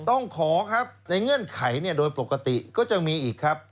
ต้องขอครับในเงื่อนไขเนี่ยโดยปกติก็จะมีอีกครับ